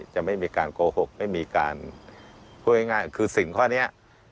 จะไม่มีการโกหกไม่มีการพูดง่ายคือสิ่งข้อนี้